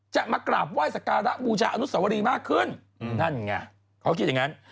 จะมากราบว่ายสการะบูชะอนุสาวรีมากขึ้นอเจมส์เคยคิดอย่างนั้น